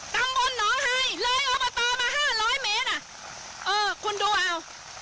ตำบลหนองไฮเลยอบตมาห้าร้อยเมตรอ่ะเออคุณดูเอา